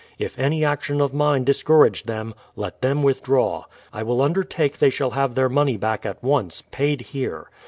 If any action of mine discourage them, let them withdraw. I will under take they shall have their money back at once, paid here.